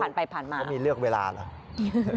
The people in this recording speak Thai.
คุณคิดว่าเขามีเลือกเวลาเหรอ